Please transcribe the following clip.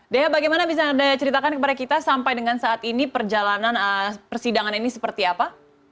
dea bagaimana bisa anda ceritakan kepada kita sampai dengan saat ini perjalanan persidangan ini seperti apa